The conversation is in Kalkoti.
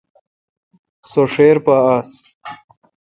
سو ݭر پا آس۔